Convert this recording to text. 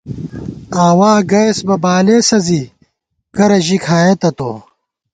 آوا گَئیس بہ بالېسہ زی ، کرہ ژی کھائېتہ تو